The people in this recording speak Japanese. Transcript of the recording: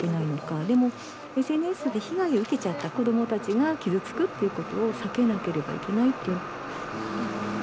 でもＳＮＳで被害を受けちゃった子どもたちが傷つくっていうことを避けなければいけない。